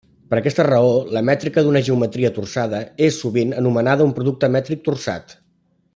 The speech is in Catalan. Per aquesta raó, la mètrica d'una geometria torçada és sovint anomenada un producte mètric torçat.